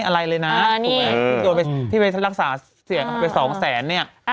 อะไรเลยน่ะเออนี่โดนไปที่ไปรักษาเสียงเขาไปสองแสนเนี้ยอ่า